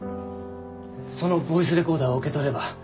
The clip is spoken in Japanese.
そのボイスレコーダーを受け取れば。